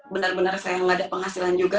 benar benar saya nggak ada penghasilan juga